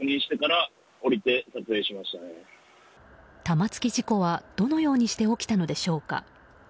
玉突き事故は、どのようにして起きたのでしょうか。